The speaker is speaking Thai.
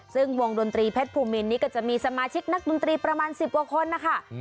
ซึ่งวงดนตรีเพชรภูมินี้ก็จะมีสมาชิกนักดนตรีประมาณ๑๐กว่าคนนะคะ